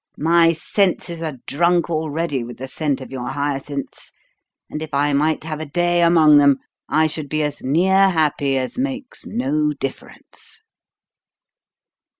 My senses are drunk already with the scent of your hyacinths; and if I might have a day among them, I should be as near happy as makes no difference."